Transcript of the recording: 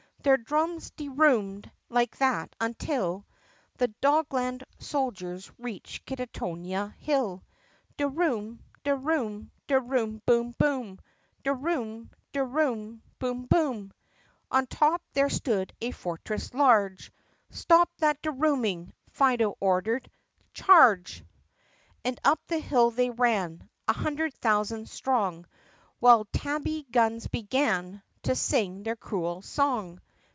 Their drums de roomed like that until The Dogland soldiers reached Kittonia Hill. De room! de room! de room! boom! boom! De room! de room! de room! boom! boom ! On top there stood a fortress large. "Stop that de rooming!" Fido ordered. "Charge iii And up the hill they ran A hundred thousand strong. While tabby guns began To sing their cruel song!